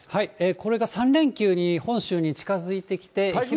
これが３連休に本州に近づいてきて。